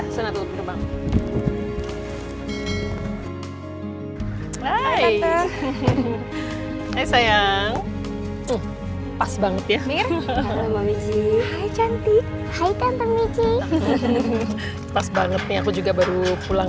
hai hai hai sayang pas banget ya hai cantik hai kantor michi pas banget nih aku juga baru pulang